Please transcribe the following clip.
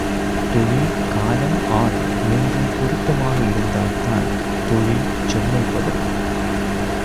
தொழில், காலம், ஆள் மூன்றும் பொருத்தமாக இருந்தால்தான் தொழில் செம்மை பெறும்.